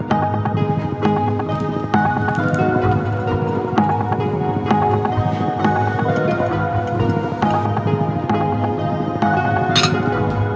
eh gue mau besar lagi nih